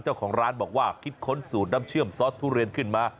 เจ้าของร้านบอกว่าคิดค้นสูตรน้ำเชื่อมซอสทุเรียนขึ้นมา